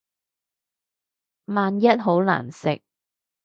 萬一好難食